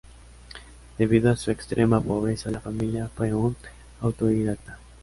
Debido a su extrema pobreza de la familia, fue un autodidacta.